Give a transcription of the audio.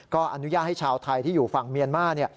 ก็อนุญาตให้ชาวไทยที่อยู่ฝั่งเมียนมาร์